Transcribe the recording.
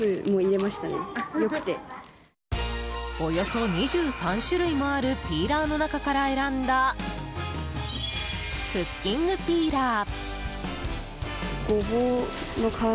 およそ２３種類もあるピーラーの中から選んだクッキングピーラー。